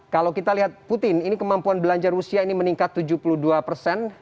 kalau kita lihat putin ini kemampuan belanja rusia ini meningkat tujuh puluh dua persen